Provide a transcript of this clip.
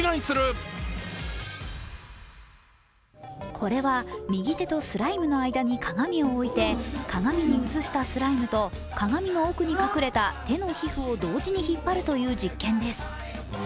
これは右手とスライムの間に鏡を置いて鏡に映したスライムと鏡の奥に隠れた手の皮膚を同時に引っ張るという実験です。